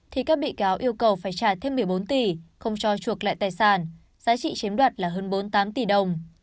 thì các bị cáo yêu cầu phải trả thêm một mươi bốn tỷ không cho chuộc lại tài sản giá trị chiếm đoạt là hơn bốn mươi tám tỷ đồng